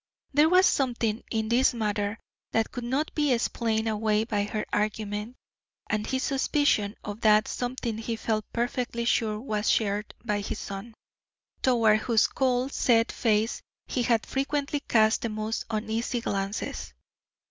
There was something in this matter that could not be explained away by her argument, and his suspicion of that something he felt perfectly sure was shared by his son, toward whose cold, set face he had frequently cast the most uneasy glances.